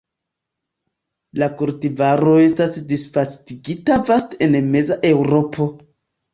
La kultivaro estas disvastigita vaste en meza Eŭropo.